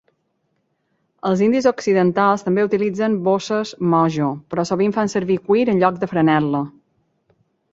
Els indis occidentals també utilitzen bosses mojo, però sovint fan servir cuir en lloc de franel·la.